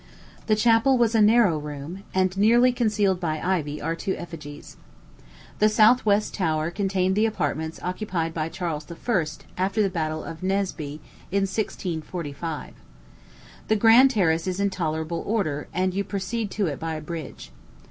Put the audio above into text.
The chapel was a narrow room; and, nearly concealed by ivy, are two effigies. The south west tower contained the apartments occupied by Charles I. after the battle of Naseby, in 1645. The grand terrace is in tolerable order, and you proceed to it by a bridge.